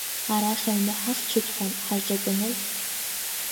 Арахь аҩны ҳахьчот ҳа, ҳаҿатәаны…